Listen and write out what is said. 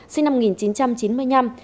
sinh năm một nghìn chín trăm chín mươi năm